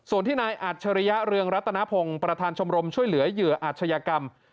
ส่วนที่นายอัจฉริยะเรืองรัตนพงศ์ประธานชมรมช่วยเหลือเหยื่ออาชญากรรม